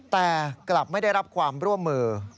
แต่กลับไม่ได้รับความร่วมมือ